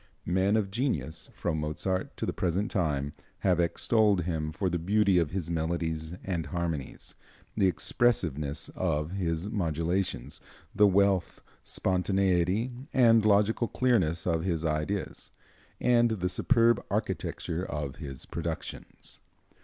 Men of genius, from Mozart to the present time, have extolled him for the beauty of his melodies and harmonies, the expressiveness of his modulations, the wealth, spontaneity and logical clearness of his ideas, and the superb architecture of his productions.